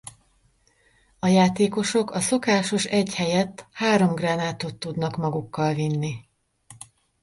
A játékosok a szokásos egy helyett három gránátot tudnak magukkal vinni.